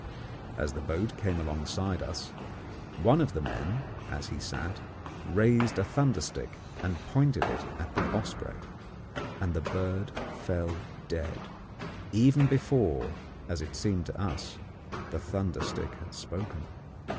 As the boat came alongside of us, one of the men, as he sat, raised a thunder stick and pointed it at the osprey, and the bird fell dead, even before, as it seemed to us, the thunder stick had spoken.